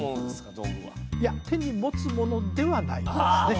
道具はいや手に持つものではないですねああ